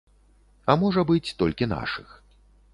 А, можа быць, толькі нашых.